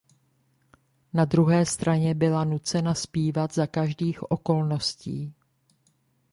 Na druhé straně byla nucena zpívat za každých okolností.